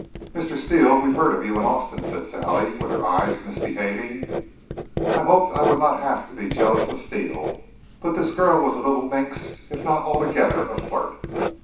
"Mr. Steele, we've heard of you in Austin," said Sally with her eyes misbehaving. I hoped I would not have to be jealous of Steele. But this girl was a little minx if not altogether a flirt.